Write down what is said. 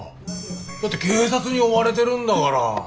だって警察に追われてるんだから。